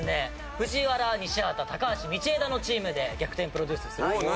藤原西畑高橋道枝のチームで逆転プロデュースするんですよね。